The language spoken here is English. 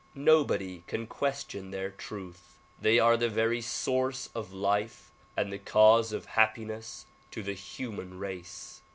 Nobody can question their truth. They are the very source of life and the cause of happiness to the human race.